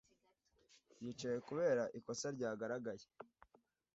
yicaye kubera ikosa ryagaragaye